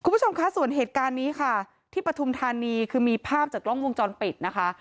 คุณผู้ชมคะส่วนเหตุการณ์นี้ค่ะที่ปฐุมธานีคือมีภาพจากกล้องวงจรปิดนะคะ